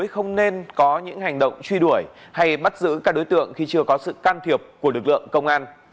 không nên có những hành động truy đuổi hay bắt giữ các đối tượng khi chưa có sự can thiệp của lực lượng công an